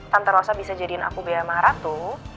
tante rosa bisa jadikan aku bea maharatu